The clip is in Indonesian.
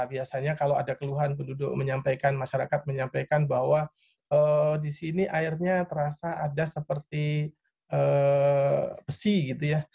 biasanya kalau ada keluhan penduduk menyampaikan masyarakat menyampaikan bahwa di sini airnya terasa ada seperti besi gitu ya